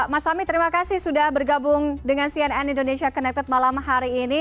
mas fahmi terima kasih sudah bergabung dengan cnn indonesia connected malam hari ini